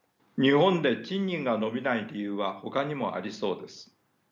日本で賃金が伸びない理由はほかにもありそうです。